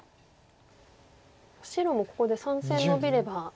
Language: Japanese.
白もここで３線ノビれば。